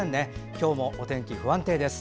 今日もお天気不安定です。